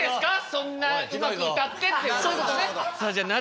そんなうまく歌って」っていうことですね。